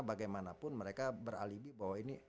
bagaimanapun mereka beralibi bahwa ini